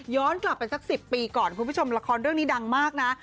กลับไปสัก๑๐ปีก่อนคุณผู้ชมละครเรื่องนี้ดังมากนะ